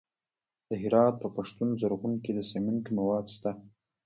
د هرات په پشتون زرغون کې د سمنټو مواد شته.